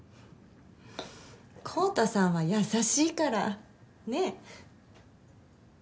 昂太さんは優しいから。ねぇ？